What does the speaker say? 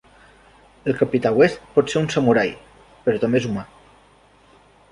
El capità West pot ser un samurai, però també és humà.